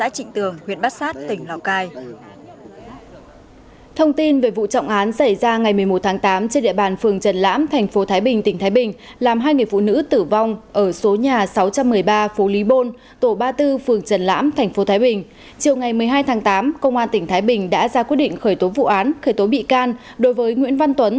chiều ngày một mươi hai tháng tám công an tỉnh thái bình đã ra quyết định khởi tố vụ án khởi tố bị can đối với nguyễn văn tuấn